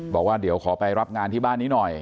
บอกว่าเดี๋ยวขอไปรับงานที่บ้านนี้หน่อย